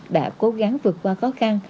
đã cố gắng vượt qua khó khăn